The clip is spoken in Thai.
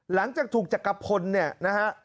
หลังจากถูกจักรพลเนี่ยนะฮะ